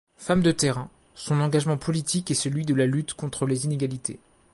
Femme de terrain, son engagement politique est celui de la lutte contre les inégalités.